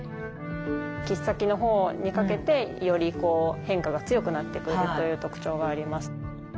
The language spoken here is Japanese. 切っ先のほうにかけてよりこう変化が強くなってくるという特徴があります。